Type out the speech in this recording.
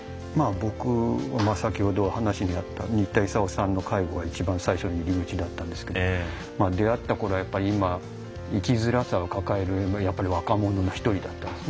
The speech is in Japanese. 僕は先ほど話にあった新田勲さんの介護が一番最初の入り口だったんですけど出会ったころは生きづらさを抱えるやっぱり若者の一人だったんですね。